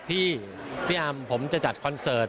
พี่พี่อำผมจะจัดคอนเสิร์ต